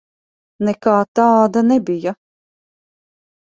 Nekā tāda nebija.